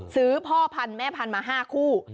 พ่อพันธุ์แม่พันธุ์มา๕คู่